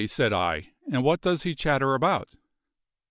said I. "And what does he chatter about?"